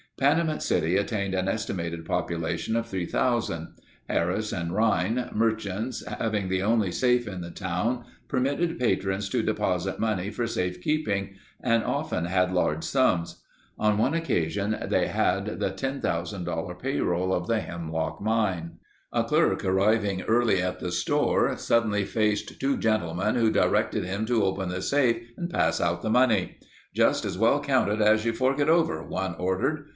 Panamint City attained an estimated population of 3,000. Harris and Rhine, merchants, having the only safe in the town permitted patrons to deposit money for safe keeping and often had large sums. On one occasion they had the $10,000 payroll of the Hemlock mine. A clerk arriving early at the store, suddenly faced two gentlemen who directed him to open the safe and pass out the money. "Just as well count it as you fork it over," one ordered.